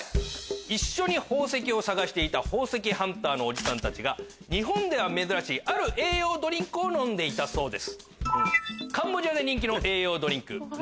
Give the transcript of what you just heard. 一緒に宝石を探していた宝石ハンターのおじさんたちが日本では珍しいある栄養ドリンクを飲んでいたそうです。